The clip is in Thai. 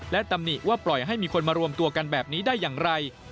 และตำหนิว่าปล่อยให้มีคนมารวมตัวกันแบบนี้ได้อย่างไร